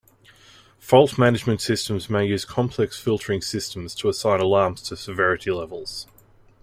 Fault management systems may use complex filtering systems to assign alarms to severity levels.